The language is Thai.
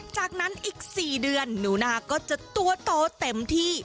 จากนั้นอีก๔เดือนหนูนาก็จะตัวโตเต็มที่